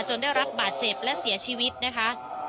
ได้รับบาดเจ็บและเสียชีวิตนะคะ